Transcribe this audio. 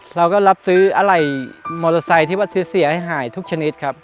เราก็รับซื้ออะไรมอเตอร์ไซค์ที่ว่าซื้อเสียให้หายทุกชนิดครับ